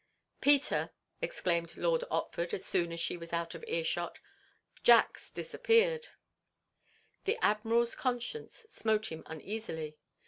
"Peter!" exclaimed Lord Otford, as soon as she was out of earshot, "Jack 's disappeared!" The Admiral's conscience smote him uneasily.